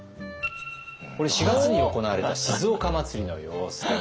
これ４月に行われた静岡まつりの様子でございます。